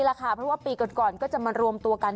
เพราะว่าปีก่อนก็จะมารวมตัวกัน